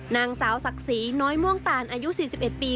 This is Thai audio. นางสาวศักดิ์ศรีน้อยม่วงตานอายุ๔๑ปี